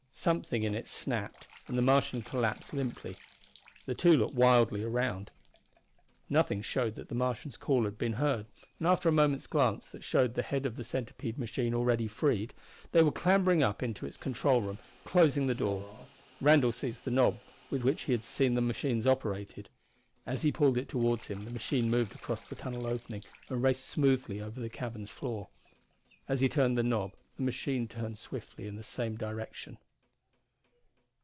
Something in it snapped, and the Martian collapsed limply. The two looked wildly around. Nothing showed that the Martian's call had been heard, and after a moment's glance that showed the head of the centipede machine already freed, they were clambering up into its control room, closing the door. Randall seized the knob with which he had seen the machines operated. As he pulled it toward him the machine moved across the tunnel opening and raced smoothly over the cavern's floor. As he turned the knob the machine turned swiftly in the same direction.